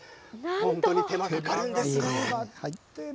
本当に手間かかるんですね。